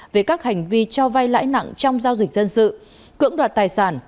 về các hành vi cho vay lãi nặng trong giao dịch dân sự cưỡng đoạt tài sản